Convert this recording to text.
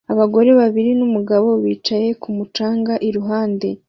Abagore babiri n'umugabo bicaye ku mucanga iruhande